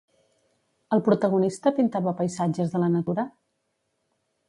El protagonista pintava paisatges de la natura?